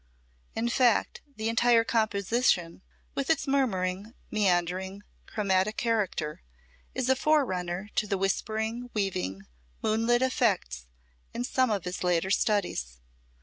In fact, the entire composition, with its murmuring, meandering, chromatic character, is a forerunner to the whispering, weaving, moonlit effects in some of his later studies.